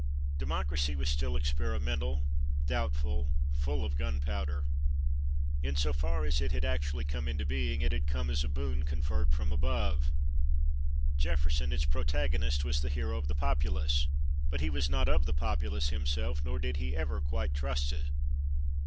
Democracy was still experimental, doubtful, full of gunpowder. In so far as it had actually come into being, it had come as a boon conferred from above. Jefferson, its protagonist, was the hero of the populace, but he was not of the populace himself, nor did he ever quite trust it.